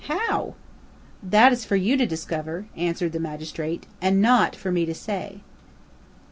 "How?" "That is for you to discover," answered the magistrate, "and not for me to say."